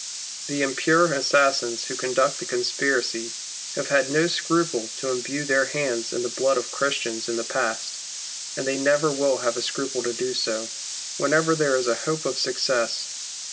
The impure assassins who conduct the conspiracy have had no scruple to imbrue their hands in the blood of Christians in the past, and they never will have a scruple to do so, whenever there is hope of success.